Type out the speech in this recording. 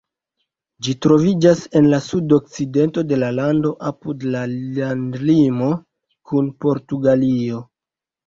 Ĝi troviĝas en la sudokcidento de la lando, apud la landlimo kun Portugalio.